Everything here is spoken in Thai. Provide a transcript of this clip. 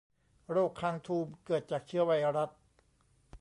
โรคคางทูม เกิดจากเชื้อไวรัส